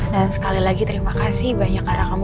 dan sekali lagi terima kasih banyak arah kamu